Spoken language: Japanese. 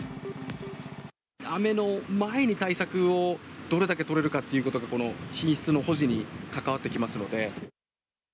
雨の前に対策をどれだけ取れるかっていうことが、この品質の保持に関わってきますので。